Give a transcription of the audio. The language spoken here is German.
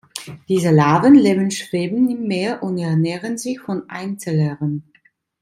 Diese Larven leben schwebend im Meer und ernähren sich von Einzellern.